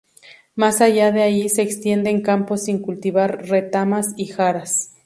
Más allá de allí se extienden campos sin cultivar, retamas y jaras.